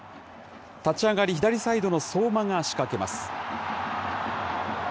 立ち上がり、左サイドの相馬が仕掛けます。